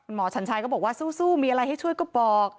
ฉันชัยก็บอกว่าสู้มีอะไรให้ช่วยก็บอก